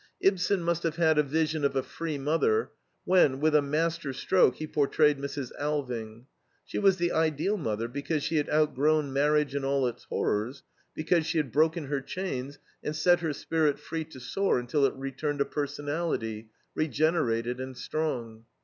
Ibsen must have had a vision of a free mother, when, with a master stroke, he portrayed Mrs. Alving. She was the ideal mother because she had outgrown marriage and all its horrors, because she had broken her chains, and set her spirit free to soar until it returned a personality, regenerated and strong.